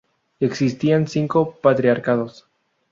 Existían cinco patriarcados.